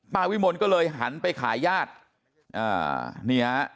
ป้าวิมลก็เลยหันไปขายญาติ